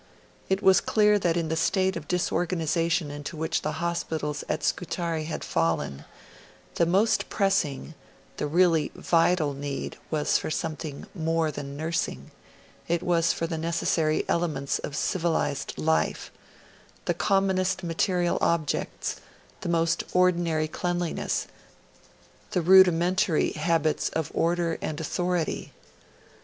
It was clear that in the state of disorganisation into which the hospitals at Scutari had fallen, the most pressing, the really vital, need was for something more than nursing; it was for the necessary elements of civilised life the commonest material objects, the most ordinary cleanliness, the rudimentary habits of order and authority.